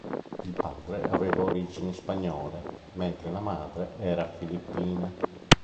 Il padre aveva origini spagnole, mentre la madre era filippina.